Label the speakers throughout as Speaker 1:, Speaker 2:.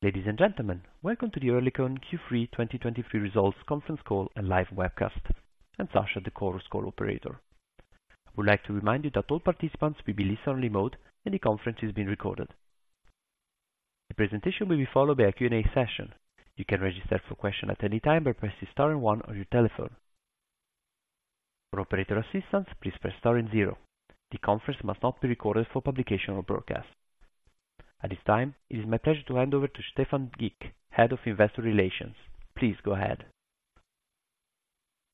Speaker 1: Ladies and gentlemen, welcome to the Oerlikon Q3 2023 Results Conference Call and live webcast. I'm Sasha, the call operator. I would like to remind you that all participants will be in listen-only mode, and the conference is being recorded. The presentation will be followed by a Q&A session. You can register for questions at any time by pressing star and one on your telephone. For operator assistance, please press star and zero. The conference must not be recorded for publication or broadcast. At this time, it is my pleasure to hand over to Stephan Gick, Head of Investor Relations. Please go ahead.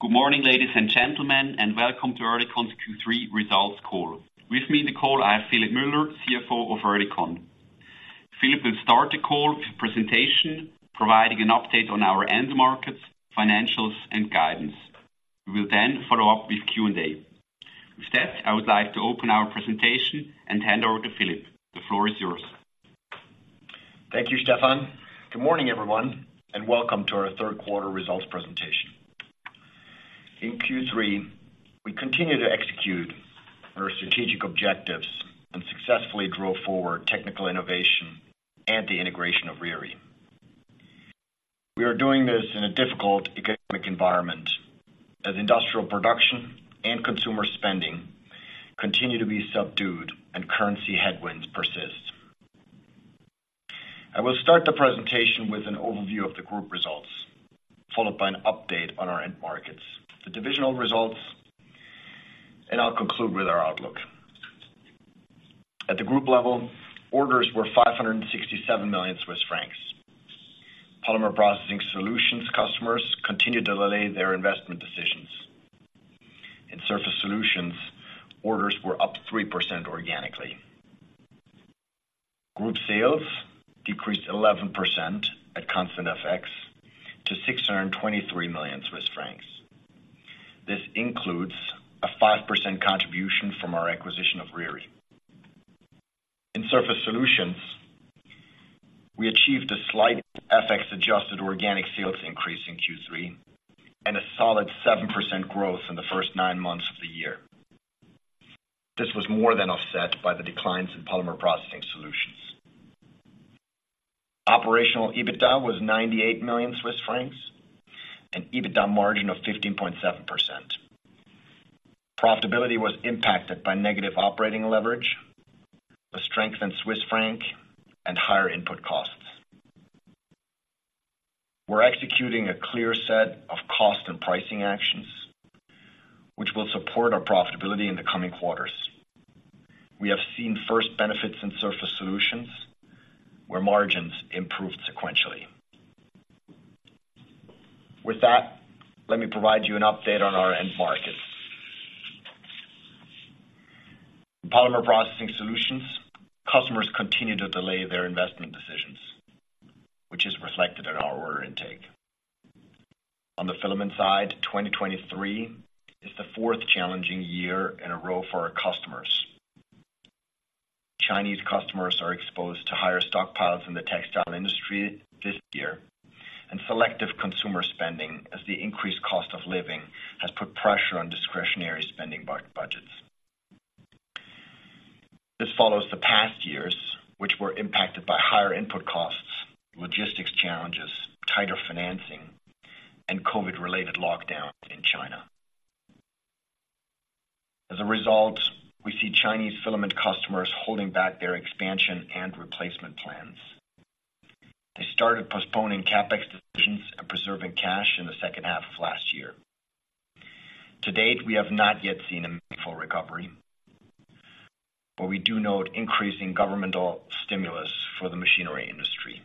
Speaker 2: Good morning, ladies and gentlemen, and welcome to Oerlikon's Q3 results call. With me in the call, I have Philipp Müller, CFO of Oerlikon. Philipp will start the call with a presentation, providing an update on our end markets, financials, and guidance. We will then follow up with Q&A. With that, I would like to open our presentation and hand over to Philipp. The floor is yours.
Speaker 3: Thank you, Stefan. Good morning, everyone, and welcome to our Q3 results presentation. In Q3, we continued to execute our strategic objectives and successfully drove forward technical innovation and the integration of Riri. We are doing this in a difficult economic environment, as industrial production and consumer spending continue to be subdued and currency headwinds persist. I will start the presentation with an overview of the group results, followed by an update on our end markets, the divisional results, and I'll conclude with our outlook. At the group level, orders were 567 million Swiss francs. Polymer Processing Solutions customers continued to delay their investment decisions. In Surface Solutions, orders were up 3% organically. Group sales decreased 11% at constant FX to 623 million Swiss francs. This includes a 5% contribution from our acquisition of Riri. In Surface Solutions, we achieved a slight FX-adjusted organic sales increase in Q3 and a solid 7% growth in the first nine months of the year. This was more than offset by the declines in Polymer Processing Solutions. Operational EBITDA was 98 million Swiss francs, an EBITDA margin of 15.7%. Profitability was impacted by negative operating leverage, the strength in Swiss franc, and higher input costs. We're executing a clear set of cost and pricing actions, which will support our profitability in the coming quarters. We have seen first benefits in Surface Solutions, where margins improved sequentially. With that, let me provide you an update on our end markets. Polymer Processing Solutions, customers continue to delay their investment decisions, which is reflected in our order intake. On the filament side, 2023 is the fourth challenging year in a row for our customers. Chinese customers are exposed to higher stockpiles in the textile industry this year, and selective consumer spending as the increased cost of living has put pressure on discretionary spending budgets. This follows the past years, which were impacted by higher input costs, logistics challenges, tighter financing, and COVID-related lockdown in China. As a result, we see Chinese filament customers holding back their expansion and replacement plans. They started postponing CapEx decisions and preserving cash in the second half of last year. To date, we have not yet seen a meaningful recovery, but we do note increasing governmental stimulus for the machinery industry.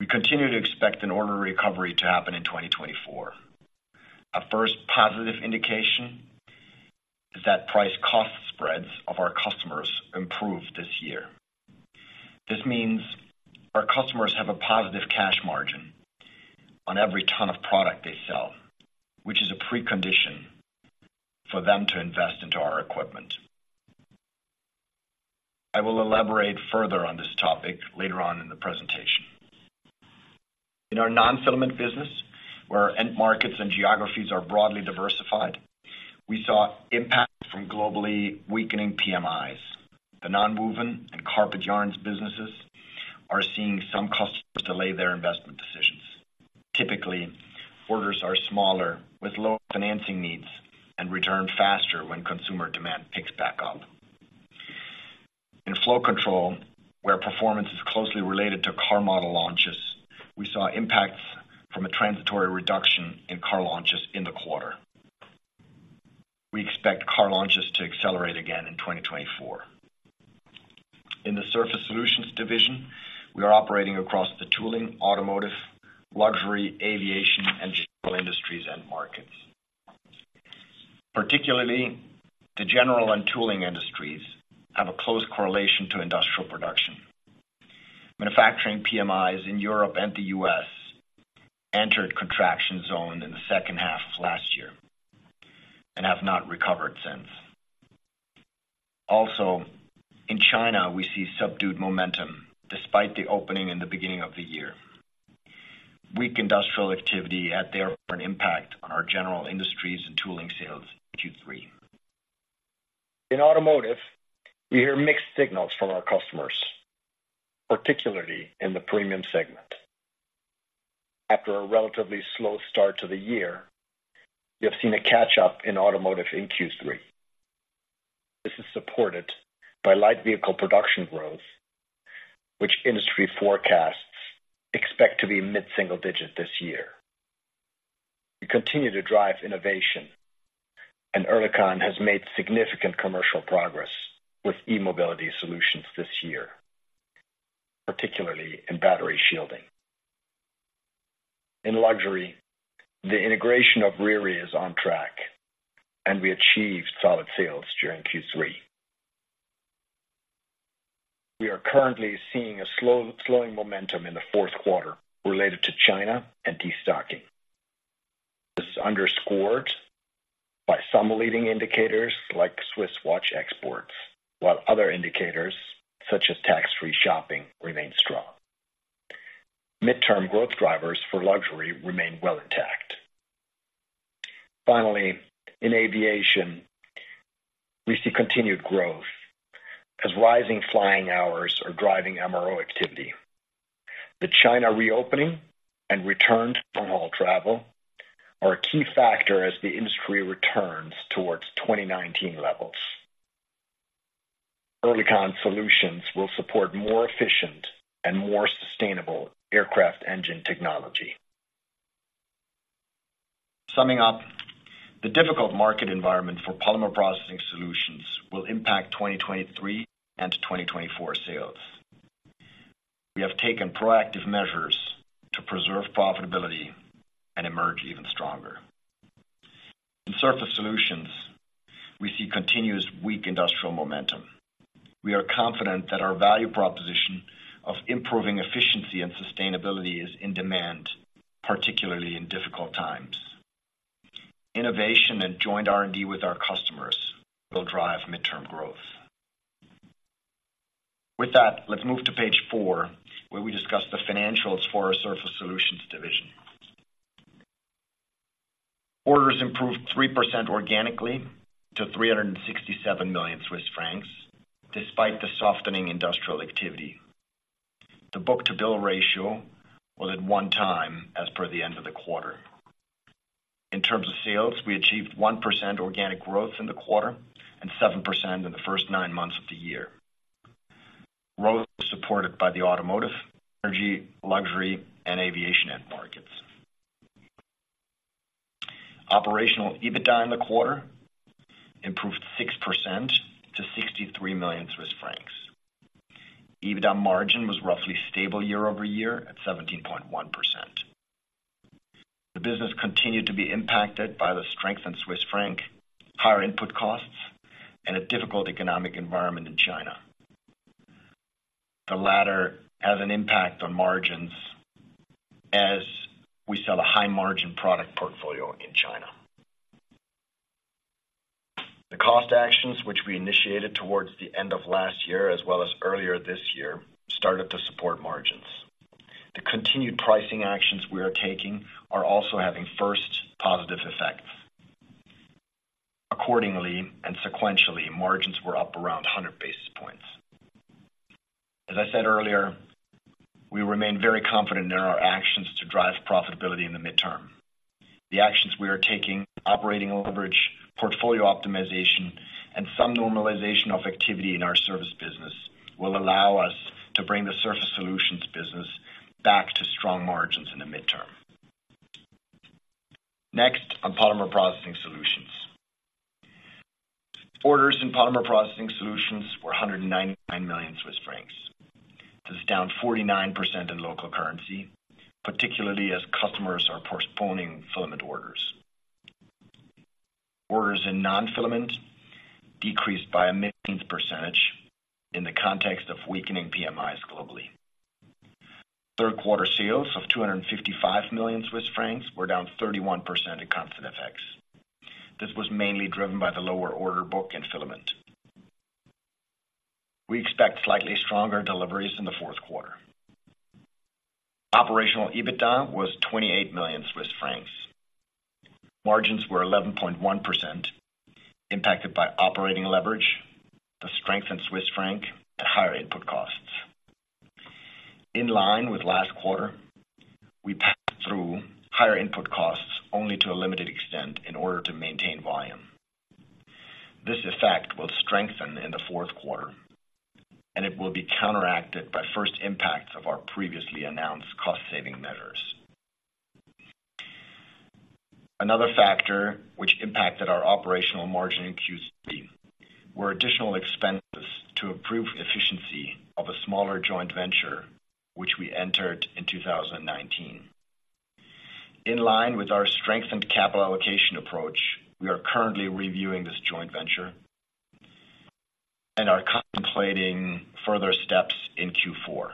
Speaker 3: We continue to expect an order recovery to happen in 2024. A first positive indication is that price cost spreads of our customers improved this year. This means our customers have a positive cash margin on every ton of product they sell, which is a precondition for them to invest into our equipment. I will elaborate further on this topic later on in the presentation. In our non-filament business, where our end markets and geographies are broadly diversified, we saw impacts from globally weakening PMIs. The nonwoven and carpet yarns businesses are seeing some customers delay their investment decisions. Typically, orders are smaller, with low financing needs, and return faster when consumer demand picks back up. In flow control, where performance is closely related to car model launches, we saw impacts from a transitory reduction in car launches in the quarter. We expect car launches to accelerate again in 2024. In the Surface Solutions division, we are operating across the tooling, automotive, luxury, aviation, and general industries, end markets. Particularly, the general and tooling industries have a close correlation to industrial production. Manufacturing PMIs in Europe and the U.S. entered contraction zone in the second half of last year and have not recovered since. Also, in China, we see subdued momentum, despite the opening in the beginning of the year. Weak industrial activity had therefore an impact on our general industries and tooling sales in Q3. In automotive, we hear mixed signals from our customers, particularly in the premium segment. After a relatively slow start to the year, we have seen a catch-up in automotive in Q3. This is supported by light vehicle production growth, which industry forecasts expect to be mid-single-digit this year. We continue to drive innovation, and Oerlikon has made significant commercial progress with e-mobility solutions this year, particularly in battery shielding. In luxury, the integration of Riri is on track, and we achieved solid sales during Q3. We are currently seeing a slow, slowing momentum in the Q4 related to China and destocking. This is underscored by some leading indicators like Swiss watch exports, while other indicators, such as tax-free shopping, remain strong. Mid-term growth drivers for luxury remain well intact. Finally, in aviation, we see continued growth as rising flying hours are driving MRO activity. The China reopening and return to long-haul travel are a key factor as the industry returns towards 2019 levels. Oerlikon solutions will support more efficient and more sustainable aircraft engine technology. Summing up, the difficult market environment for Polymer Processing Solutions will impact 2023 and 2024 sales. We have taken proactive measures to preserve profitability and emerge even stronger. In Surface Solutions, we see continuous weak industrial momentum. We are confident that our value proposition of improving efficiency and sustainability is in demand, particularly in difficult times. Innovation and joint R&D with our customers will drive midterm growth. With that, let's move to page 4, where we discuss the financials for our Surface Solutions division. Orders improved 3% organically to 367 million Swiss francs, despite the softening industrial activity. The book-to-bill ratio was at 1.0 as per the end of the quarter. In terms of sales, we achieved 1% organic growth in the quarter and 7% in the first 9 months of the year. Growth was supported by the automotive, energy, luxury, and aviation end markets. Operational EBITDA in the quarter improved 6% to 63 million Swiss francs. EBITDA margin was roughly stable year-over-year at 17.1%. The business continued to be impacted by the strength in Swiss franc, higher input costs, and a difficult economic environment in China. The latter has an impact on margins as we sell a high-margin product portfolio in China. The cost actions, which we initiated towards the end of last year as well as earlier this year, started to support margins. The continued pricing actions we are taking are also having first positive effects. Accordingly and sequentially, margins were up around 100 basis points. As I said earlier, we remain very confident in our actions to drive profitability in the midterm. The actions we are taking, operating leverage, portfolio optimization, and some normalization of activity in our service business, will allow us to bring the Surface Solutions business back to strong margins in the midterm. Next, on Polymer Processing Solutions. Orders in Polymer Processing Solutions were 199 million Swiss francs. This is down 49% in local currency, particularly as customers are postponing filament orders. Orders in non-filament decreased by a mid-single percentage in the context of weakening PMIs globally. Q3 sales of 255 million Swiss francs were down 31% in constant effects. This was mainly driven by the lower order book in filament. We expect slightly stronger deliveries in the Q4. Operational EBITDA was 28 million Swiss francs. Margins were 11.1%, impacted by operating leverage, the strength in Swiss franc, and higher input costs. In line with last quarter, we passed through higher input costs only to a limited extent in order to maintain volume. This effect will strengthen in the Q4, and it will be counteracted by first impacts of our previously announced cost-saving measures. Another factor which impacted our operational margin in Q3 were additional expenses to improve efficiency of a smaller joint venture, which we entered in 2019. In line with our strengthened capital allocation approach, we are currently reviewing this joint venture and are contemplating further steps in Q4.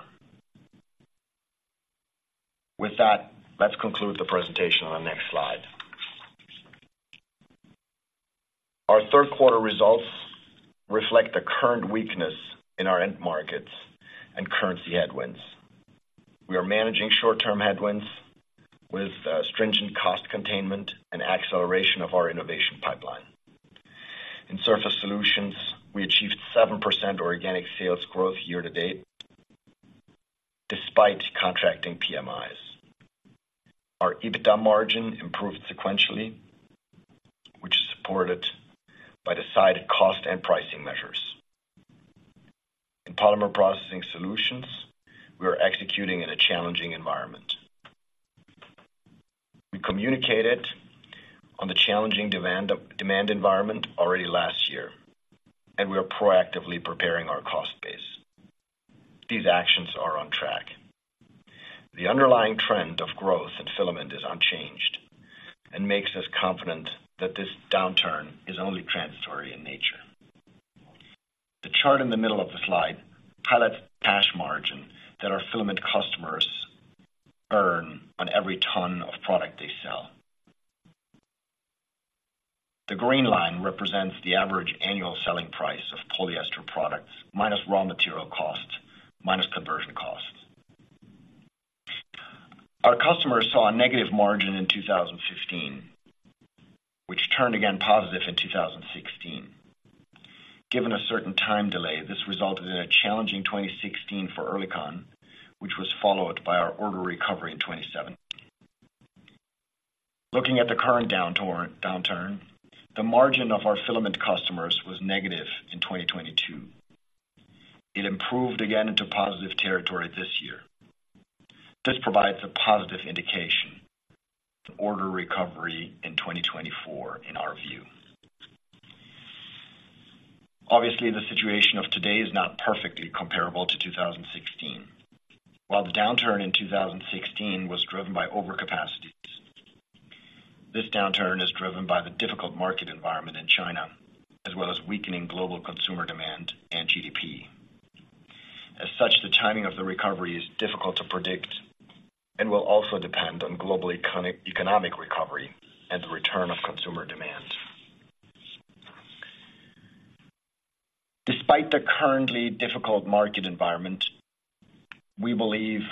Speaker 3: With that, let's conclude the presentation on the next slide. Our Q3 results reflect the current weakness in our end markets and currency headwinds. We are managing short-term headwinds with stringent cost containment and acceleration of our innovation pipeline. In Surface Solutions, we achieved 7% organic sales growth year-to-date, despite contracting PMIs. Our EBITDA margin improved sequentially, which is supported by the site cost and pricing measures. In Polymer Processing Solutions, we are executing in a challenging environment. We communicated on the challenging demand environment already last year, and we are proactively preparing our cost base. These actions are on track. The underlying trend of growth in filament is unchanged and makes us confident that this downturn is only transitory in nature. The chart in the middle of the slide highlights cash margin that our filament customers earn on every ton of product they sell. The green line represents the average annual selling price of polyester products, minus raw material costs, minus conversion costs. Our customers saw a negative margin in 2015, which turned again positive in 2016. Given a certain time delay, this resulted in a challenging 2016 for Oerlikon, which was followed by our order recovery in 2017. Looking at the current downturn, the margin of our filament customers was negative in 2022. It improved again into positive territory this year. This provides a positive indication, order recovery in 2024, in our view. Obviously, the situation of today is not perfectly comparable to 2016. While the downturn in 2016 was driven by overcapacity, this downturn is driven by the difficult market environment in China, as well as weakening global consumer demand and GDP. As such, the timing of the recovery is difficult to predict and will also depend on global economic recovery and the return of consumer demand. Despite the currently difficult market environment, we believe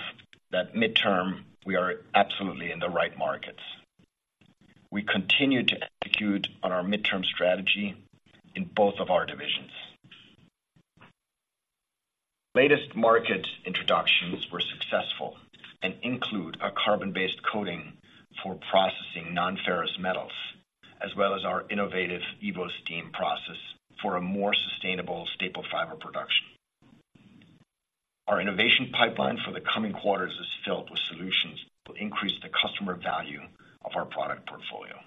Speaker 3: that midterm, we are absolutely in the right markets. We continue to execute on our midterm strategy in both of our divisions. Latest market introductions were successful and include a carbon-based coating for processing non-ferrous metals, as well as our innovative EVOsteam process for a more sustainable staple fiber production. Our innovation pipeline for the coming quarters is filled with solutions to increase the customer value of our product portfolio.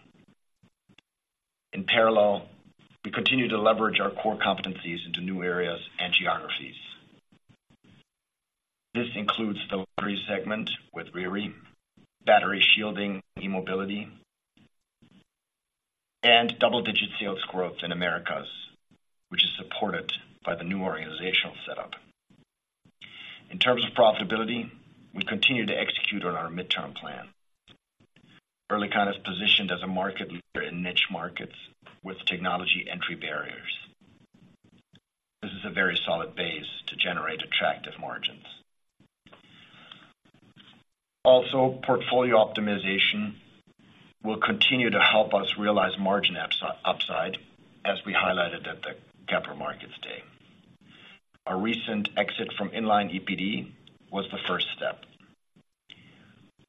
Speaker 3: In parallel, we continue to leverage our core competencies into new areas and geographies. This includes the luxury segment with Riri, battery shielding, e-mobility, and double-digit sales growth in Americas, which is supported by the new organizational setup. In terms of profitability, we continue to execute on our midterm plan. Oerlikon is positioned as a market leader in niche markets with technology entry barriers. This is a very solid base to generate attractive margins. Also, portfolio optimization will continue to help us realize margin upside, as we highlighted at the Capital Markets Day. Our recent exit from inline ePD was the first step.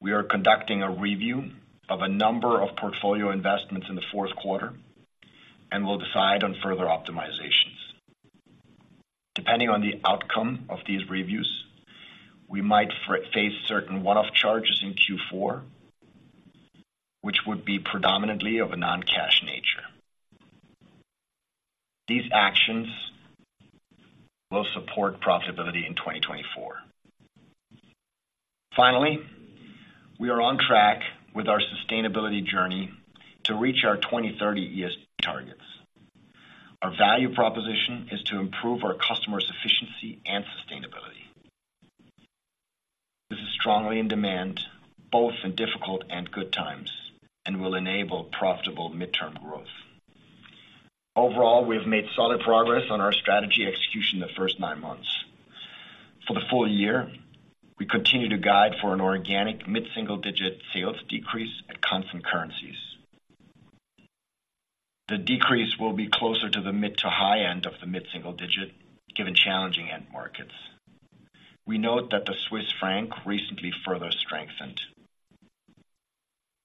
Speaker 3: We are conducting a review of a number of portfolio investments in the Q4, and we'll decide on further optimizations. Depending on the outcome of these reviews, we might face certain one-off charges in Q4, which would be predominantly of a non-cash nature. These actions will support profitability in 2024. Finally, we are on track with our sustainability journey to reach our 2030 ESG targets. Our value proposition is to improve our customers' efficiency and sustainability. This is strongly in demand, both in difficult and good times, and will enable profitable midterm growth. Overall, we have made solid progress on our strategy execution the first nine months. For the full year, we continue to guide for an organic mid-single digit sales decrease at constant currencies. The decrease will be closer to the mid to high end of the mid-single digit, given challenging end markets. We note that the Swiss franc recently further strengthened.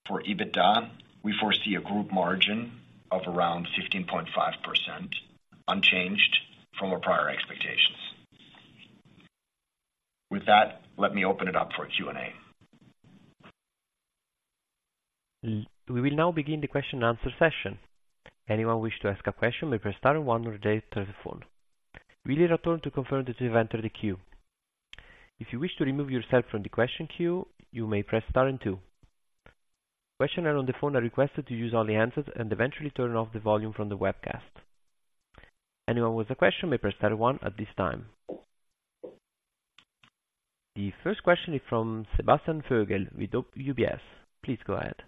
Speaker 3: For EBITDA, we foresee a group margin of around 15.5%, unchanged from our prior expectations. With that, let me open it up for a Q&A.
Speaker 1: We will now begin the question and answer session. Anyone who wishes to ask a question may press star one on their telephone. You will hear a tone to confirm that you have entered the queue. If you wish to remove yourself from the question queue, you may press star two. Questioners on the phone are requested to use the handset only and to turn off the volume of the webcast. Anyone with a question may press star one at this time. The first question is from Sebastian Vogel with UBS. Please go ahead.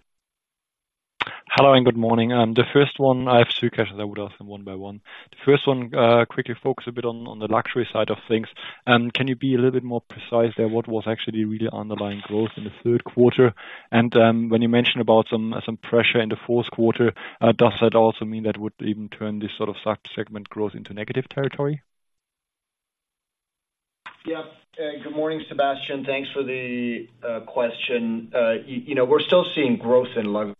Speaker 4: Hello, and good morning. The first one, I have two questions, I would ask them one by one. The first one, quickly focus a bit on the luxury side of things. Can you be a little bit more precise there, what was actually really underlying growth in the Q3? And, when you mentioned about some pressure in the Q4, does that also mean that would even turn this sort of sub-segment growth into negative territory?
Speaker 3: Yep. Good morning, Sebastian. Thanks for the question. You know, we're still seeing growth in luxury.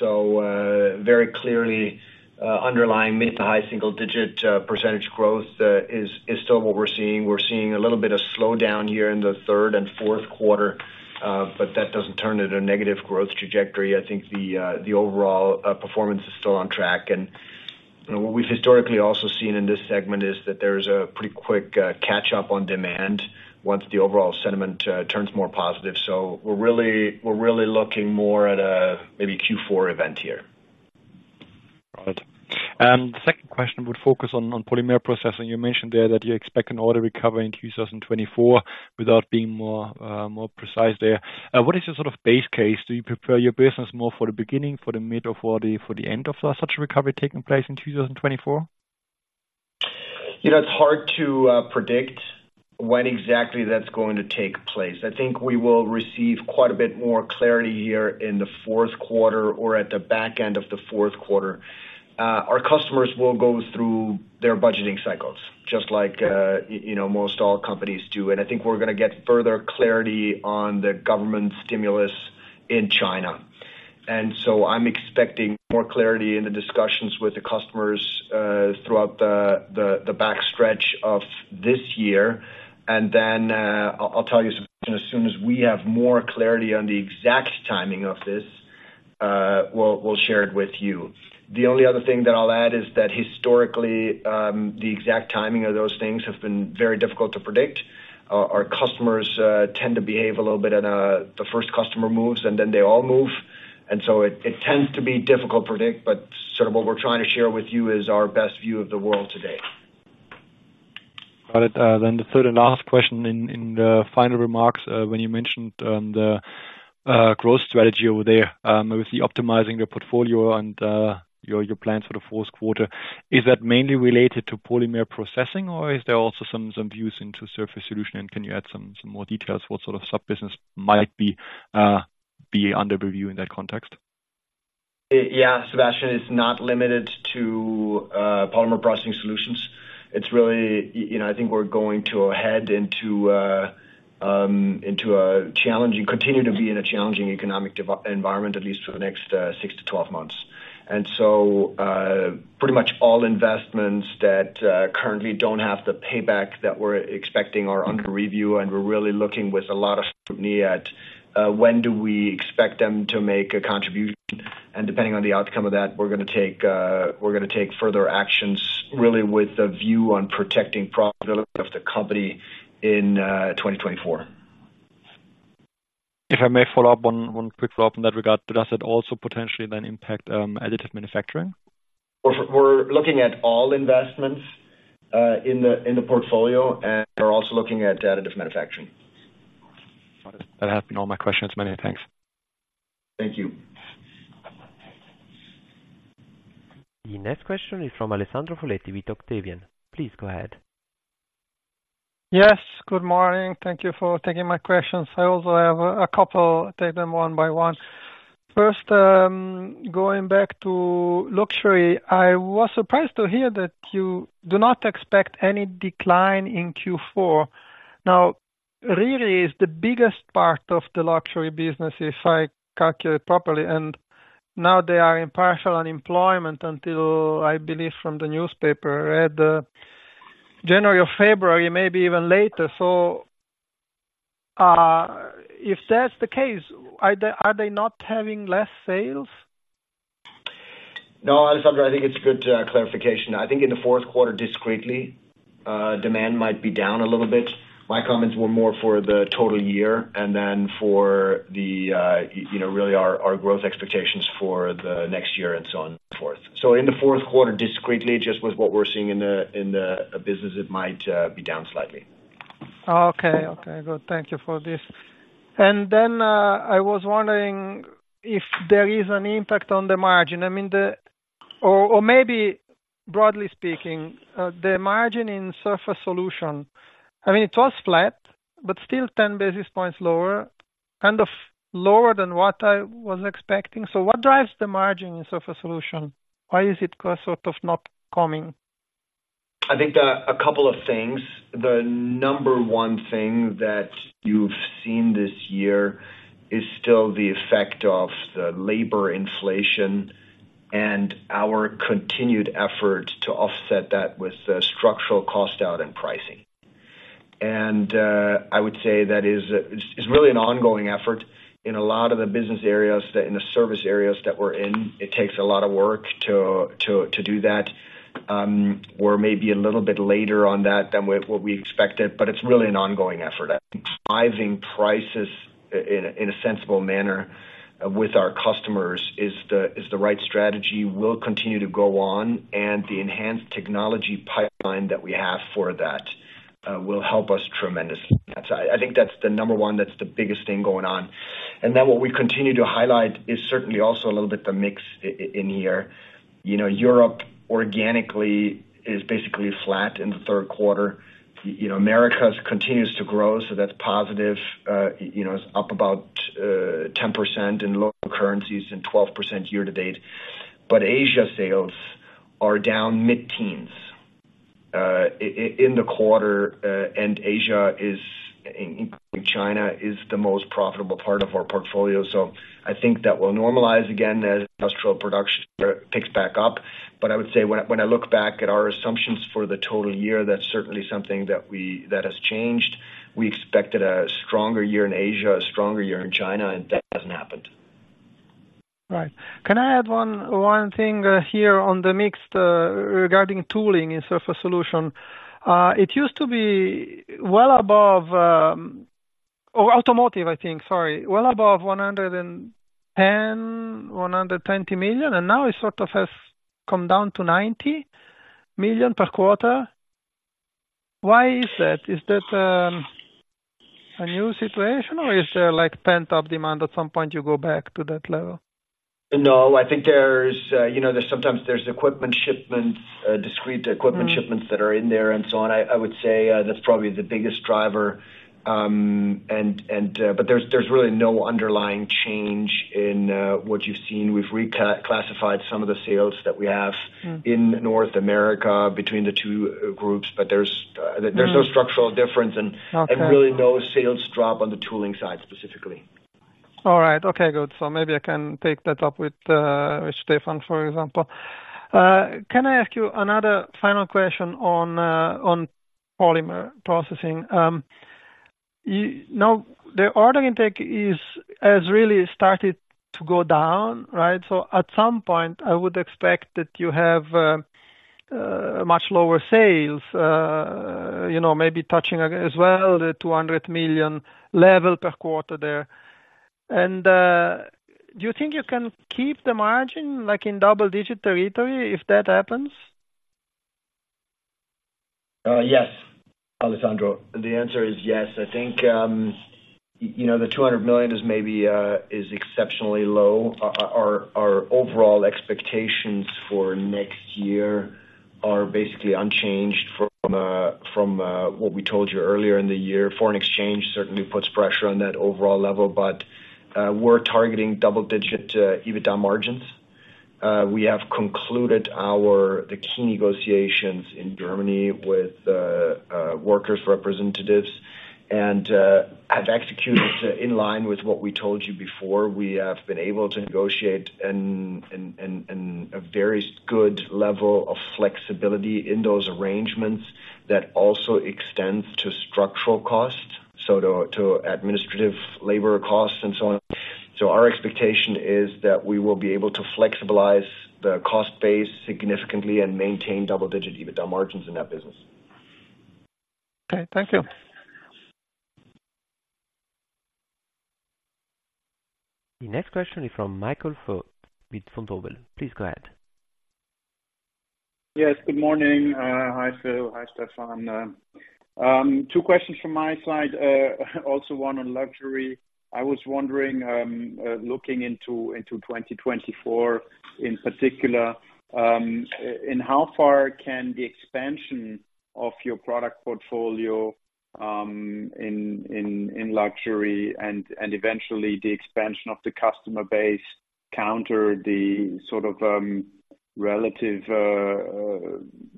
Speaker 3: So, very clearly, underlying mid- to high-single-digit % growth is still what we're seeing. We're seeing a little bit of slowdown here in the third and Q4, but that doesn't turn it a negative growth trajectory. I think the overall performance is still on track. And, you know, what we've historically also seen in this segment is that there's a pretty quick catch up on demand once the overall sentiment turns more positive. So we're really, we're really looking more at a maybe Q4 event here.
Speaker 4: Got it. The second question would focus on polymer processing. You mentioned there that you expect an order recovery in 2024, without being more precise there. What is your sort of base case? Do you prepare your business more for the beginning, for the mid, or for the end of such a recovery taking place in 2024?
Speaker 3: You know, it's hard to predict when exactly that's going to take place. I think we will receive quite a bit more clarity here in the Q4 or at the back end of the Q4. Our customers will go through their budgeting cycles, just like you know, most all companies do. And I think we're gonna get further clarity on the government stimulus in China. And so I'm expecting more clarity in the discussions with the customers throughout the back stretch of this year. And then I'll tell you, Sebastian, as soon as we have more clarity on the exact timing of this, we'll share it with you. The only other thing that I'll add is that historically, the exact timing of those things have been very difficult to predict. Our customers tend to behave a little bit in the first customer moves, and then they all move. So it tends to be difficult to predict, but sort of what we're trying to share with you is our best view of the world today.
Speaker 4: Got it. Then the third and last question in the final remarks, when you mentioned the growth strategy over there with optimizing the portfolio and your plans for the Q4, is that mainly related to polymer processing, or is there also some views into surface solution? And can you add some more details, what sort of sub-business might be under review in that context?
Speaker 3: Yeah, Sebastian, it's not limited to polymer processing solutions. It's really you know, I think we're going to head into continue to be in a challenging economic environment, at least for the next 6-12 months. And so pretty much all investments that currently don't have the payback that we're expecting are under review, and we're really looking with a lot of scrutiny at when do we expect them to make a contribution. And depending on the outcome of that, we're gonna take, we're gonna take further actions, really with a view on protecting profitability of the company in 2024.
Speaker 4: If I may follow up, one quick follow-up in that regard. Does that also potentially then impact, additive manufacturing?
Speaker 3: We're looking at all investments in the portfolio, and we're also looking at additive manufacturing.
Speaker 4: Got it. That has been all my questions. Many thanks.
Speaker 3: Thank you.
Speaker 1: The next question is from Alessandro Foletti with Octavian. Please go ahead.
Speaker 5: Yes, good morning. Thank you for taking my questions. I also have a couple, take them one by one. First, going back to luxury, I was surprised to hear that you do not expect any decline in Q4. Now, really, is the biggest part of the luxury business, if I calculate properly, and now they are in partial unemployment until, I believe from the newspaper, read, January or February, maybe even later. So, if that's the case, are they, are they not having less sales?
Speaker 3: No, Alessandro, I think it's a good clarification. I think in the Q4, discretely, demand might be down a little bit. My comments were more for the total year and then for the, you know, really our, our growth expectations for the next year and so forth. So in the Q4, discretely, just with what we're seeing in the, in the business, it might be down slightly.
Speaker 5: Okay. Okay, good. Thank you for this. And then, I was wondering if there is an impact on the margin. I mean, or maybe broadly speaking, the margin in Surface Solutions, I mean, it was flat, but still 10 basis points lower, kind of lower than what I was expecting. So what drives the margin in Surface Solutions? Why is it sort of not coming?
Speaker 3: I think, a couple of things. The number one thing that you've seen this year is still the effect of the labor inflation and our continued effort to offset that with the structural cost out and pricing. And I would say that is really an ongoing effort in a lot of the business areas, that in the service areas that we're in, it takes a lot of work to do that. We're maybe a little bit later on that than with what we expected, but it's really an ongoing effort at pricing prices in a sensible manner. With our customers is the right strategy, will continue to go on, and the enhanced technology pipeline that we have for that, will help us tremendously. I think that's the number one, that's the biggest thing going on. And then what we continue to highlight is certainly also a little bit the mix in here. You know, Europe organically is basically flat in the Q3. You know, Americas continues to grow, so that's positive. You know, it's up about 10% in local currencies and 12% year to date. But Asia sales are down mid-teens% in the quarter, and Asia, including China, is the most profitable part of our portfolio. So I think that will normalize again as industrial production picks back up. But I would say when I, when I look back at our assumptions for the total year, that's certainly something that we that has changed. We expected a stronger year in Asia, a stronger year in China, and that hasn't happened.
Speaker 5: Right. Can I add one thing here on the mix, regarding tooling in Surface Solutions? It used to be well above automotive, I think, sorry. Well above 110-120 million, and now it sort of has come down to 90 million per quarter. Why is that? Is that, a new situation, or is there, like, pent-up demand, at some point you go back to that level?
Speaker 3: No, I think there's, you know, sometimes there's equipment shipments, discrete equipment shipments that are in there and so on. I would say that's probably the biggest driver. But there's really no underlying change in what you've seen. We've reclassified some of the sales that we have-
Speaker 5: Mm.
Speaker 3: - in North America between the two, groups, but there's,
Speaker 5: Mm.
Speaker 3: There's no structural difference-
Speaker 5: Okay.
Speaker 3: And really, no sales drop on the tooling side, specifically.
Speaker 5: All right. Okay, good. So maybe I can take that up with Stefan, for example. Can I ask you another final question on polymer processing? Now, the order intake has really started to go down, right? So at some point, I would expect that you have much lower sales, you know, maybe touching as well the 200 million level per quarter there. And do you think you can keep the margin, like, in double digit territory if that happens?
Speaker 3: Yes, Alessandro. The answer is yes. I think, you know, the 200 million is maybe exceptionally low. Our overall expectations for next year are basically unchanged from what we told you earlier in the year. Foreign exchange certainly puts pressure on that overall level, but we're targeting double-digit EBITDA margins. We have concluded the key negotiations in Germany with workers' representatives, and have executed in line with what we told you before. We have been able to negotiate a very good level of flexibility in those arrangements that also extends to structural costs, so to administrative labor costs and so on. So our expectation is that we will be able to flexibilize the cost base significantly and maintain double-digit EBITDA margins in that business.
Speaker 5: Okay, thank you.
Speaker 1: The next question is from Michael Foeth, with Vontobel. Please go ahead.
Speaker 6: Yes, good morning. Hi, Phil. Hi, Stefan. Two questions from my side, also one on luxury. I was wondering, looking into 2024, in particular, in how far can the expansion of your product portfolio, in luxury and eventually the expansion of the customer base, counter the sort of relative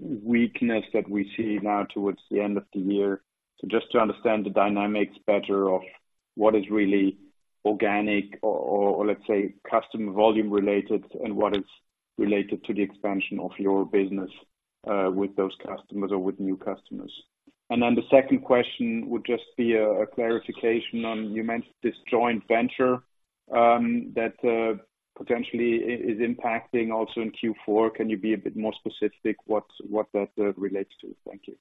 Speaker 6: weakness that we see now towards the end of the year? So just to understand the dynamics better of what is really organic or, or let's say, customer volume related, and what is related to the expansion of your business, with those customers or with new customers. And then the second question would just be a clarification on, you mentioned this joint venture, that potentially is impacting also in Q4. Can you be a bit more specific what that relates to? Thank you.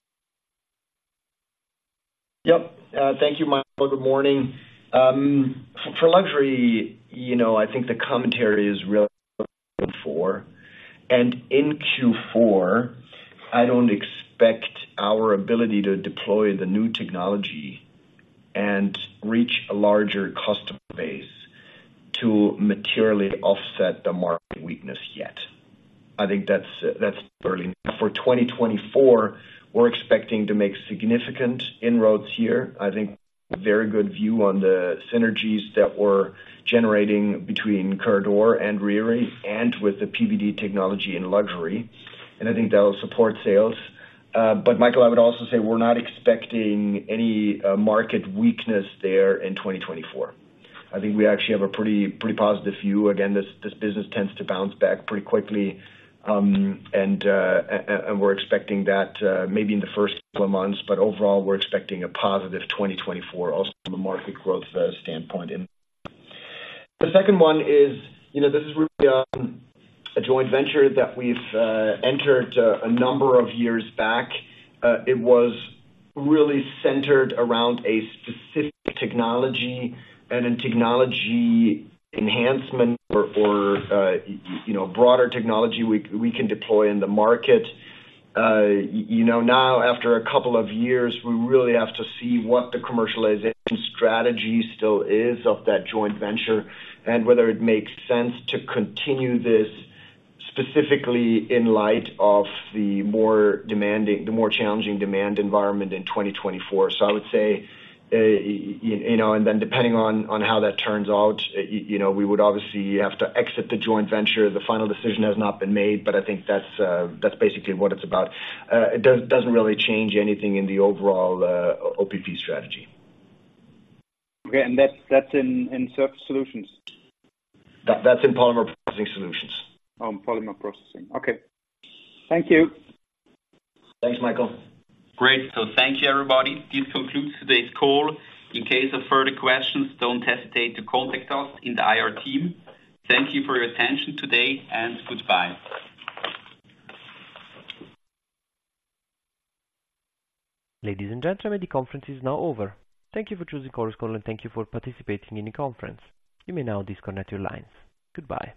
Speaker 3: Yep. Thank you, Michael. Good morning. For luxury, you know, I think the commentary is really for... And in Q4, I don't expect our ability to deploy the new technology and reach a larger customer base to materially offset the market weakness yet. I think that's early. For 2024, we're expecting to make significant inroads here. I think very good view on the synergies that we're generating between Coeurdor and Riri, and with the PVD technology and luxury, and I think that will support sales. But Michael, I would also say we're not expecting any market weakness there in 2024. I think we actually have a pretty, pretty positive view. Again, this business tends to bounce back pretty quickly. and we're expecting that, maybe in the first couple of months, but overall, we're expecting a positive 2024 also from a market growth standpoint. The second one is, you know, this is really a joint venture that we've entered a number of years back. It was really centered around a specific technology and a technology enhancement or, you know, broader technology we can deploy in the market. Now, after a couple of years, we really have to see what the commercialization strategy still is of that joint venture, and whether it makes sense to continue this specifically in light of the more demanding, the more challenging demand environment in 2024. So I would say, you know, and then depending on how that turns out, you know, we would obviously have to exit the joint venture. The final decision has not been made, but I think that's, that's basically what it's about. It doesn't really change anything in the overall, PPS strategy.
Speaker 6: Okay, and that's in Surface Solutions?
Speaker 3: That's in Polymer Processing Solutions.
Speaker 6: Polymer processing. Okay. Thank you.
Speaker 3: Thanks, Michael.
Speaker 2: Great. So thank you, everybody. This concludes today's call. In case of further questions, don't hesitate to contact us in the IR team. Thank you for your attention today, and goodbye.
Speaker 1: Ladies and gentlemen, the conference is now over. Thank you for choosing Chorus Call, and thank you for participating in the conference. You may now disconnect your lines. Goodbye.